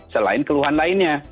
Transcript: selain keluhan lainnya